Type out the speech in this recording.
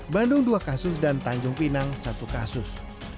bandung dua kasus dan tanjung pinang satu kasus